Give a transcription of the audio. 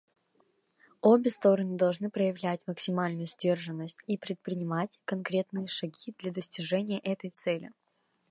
Обе стороны должны проявлять максимальную сдержанность и предпринимать конкретные шаги для достижения этой цели.